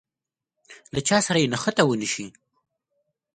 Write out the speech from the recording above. له چا سره يې نښته ونه شي.